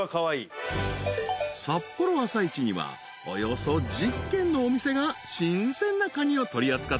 ［さっぽろ朝市にはおよそ１０軒のお店が新鮮なカニを取り扱っており］